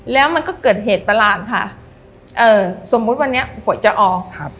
แล้วมันก็เกิดเหตุประหลาดค่ะเอ่อสมมุติวันนี้หวยจะออกครับ